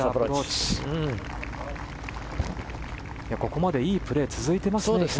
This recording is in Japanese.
ここまでいいプレー続いてますね。